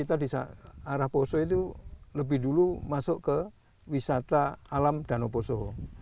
kita di arah poso itu lebih dulu masuk ke wisata alam danau poso